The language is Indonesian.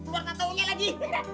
buat kataunya lagi